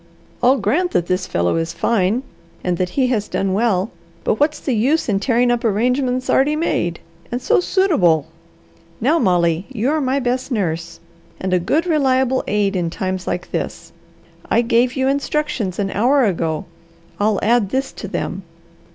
I'll grant that this fellow is fine, and that he has done well, but what's the use in tearing up arrangements already made? And so suitable! Now Molly, you are my best nurse, and a good reliable aid in times like this. I gave you instructions an hour ago. I'll add this to them.